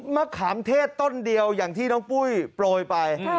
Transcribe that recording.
มะขามเทศต้นเดียวอย่างที่น้องปุ้ยโปรยไป